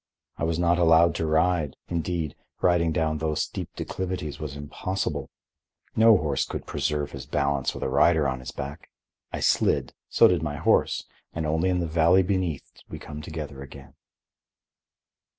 I was not allowed to ride; indeed, riding down those steep declivities was impossible. No horse could preserve his balance with a rider on his back. I slid, so did my horse, and only in the valley beneath did we come together again.